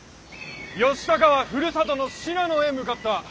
義高はふるさとの信濃へ向かった。